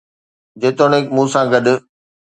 جيتوڻيڪ مون سان گڏ